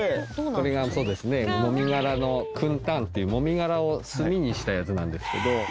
これがそうですねもみ殻の燻炭っていうもみ殻を炭にしたやつなんですけど。